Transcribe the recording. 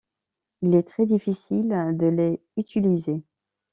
Il est très difficile de les utiliser.